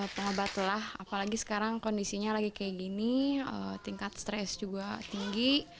pengobat lah apalagi sekarang kondisinya lagi kayak gini tingkat stres juga tinggi